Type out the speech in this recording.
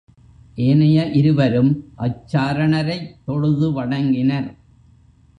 ஏனைய இருவரும் அச்சாரணரைத் தொழுது வணங்கினர்.